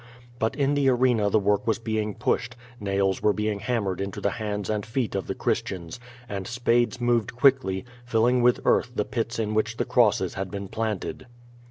But in the arena the work was being pushed, nails were being hammered into the hands and feet of the Christians; and spades moved quickly, filling with earth the pits in which the crosses had been planted.